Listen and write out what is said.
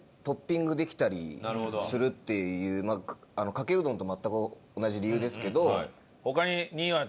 まあかけうどんと全く同じ理由ですけど。